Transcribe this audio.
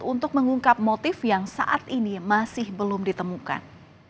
untuk mengungkap motif yang saat ini masih belum ditemukan